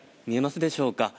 見えますでしょうか